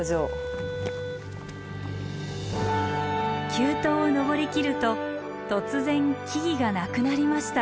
急登を登りきると突然木々がなくなりました。